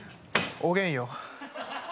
おげんよ！